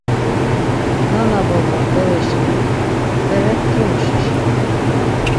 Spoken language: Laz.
Nana-baba bere şeni, bere timuşi şeni.